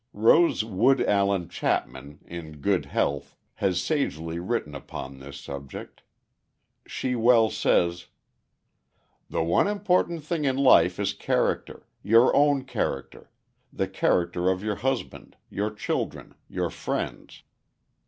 Rose Wood Allen Chapman in Good Health has sagely written upon this subject. She well says: "The one important thing in life is character; your own character, the character of your husband, your children, your friends.